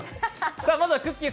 まずはくっきー！